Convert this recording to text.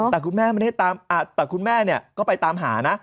แต่คุณแม่ก็ไปตามหานะ